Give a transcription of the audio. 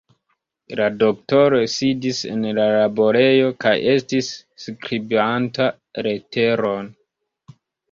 La doktoro sidis en la laborejo kaj estis skribanta leteron.